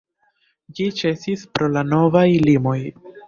Ĝi ĉesis pro la novaj limoj.